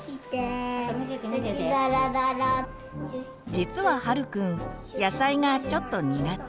実は陽くん野菜がちょっと苦手。